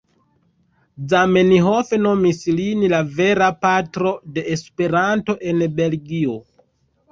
Zamenhof nomis lin "la vera patro de Esperanto en Belgio".